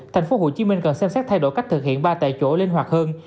thành phố hồ chí minh cần xem xét thay đổi cách thực hiện ba tại chỗ linh hoạt hơn